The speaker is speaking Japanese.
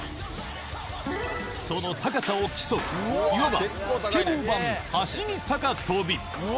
その高さを競う、いわば、スケボー版走り高跳び。